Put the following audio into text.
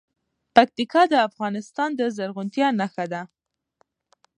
پکتیا د افغانستان د زرغونتیا نښه ده.